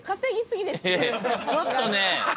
ちょっとね。